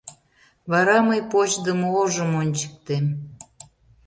Вара мый почдымо ожым ончыктем!